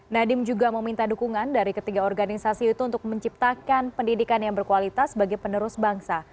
nadiem juga meminta dukungan dari ketiga organisasi itu untuk menciptakan pendidikan yang berkualitas bagi penerus bangsa